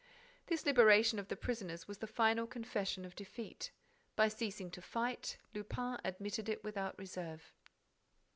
This liberation of the prisoners was the final confession of defeat. By ceasing to fight, Lupin admitted it without reserve.